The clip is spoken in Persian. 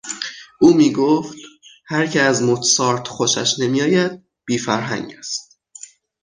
او میگفت: هر که از موتسارت خوشش نمیآید بی فرهنگ است.